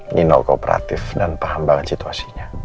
nino kooperatif dan paham banget situasinya